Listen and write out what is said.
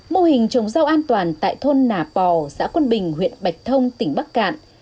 mô hình trồng rau an toàn tại thôn nà pò xã quân bình huyện bạch thông tỉnh bắc cạn